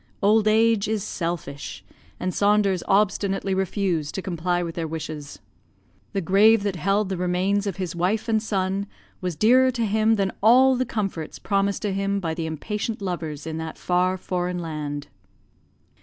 Old age is selfish, and Saunders obstinately refused to comply with their wishes. The grave that held the remains of his wife and son was dearer to him than all the comforts promised to him by the impatient lovers in that far foreign land.